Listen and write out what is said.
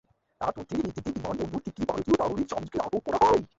তাঁর তথ্যের ভিত্তিতে বিমানবন্দর থেকে ভারতীয় নাগরিক জামিলকে আটক করা হয়।